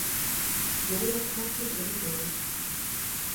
Gloria knackt mit ihren Fingern.